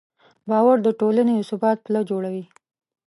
باور د ټولنې د ثبات پله جوړوي.